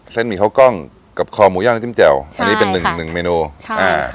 หมี่ข้าวกล้องกับคอหมูย่างน้ำจิ้มแจ่วอันนี้เป็นหนึ่งหนึ่งเมนูใช่อ่า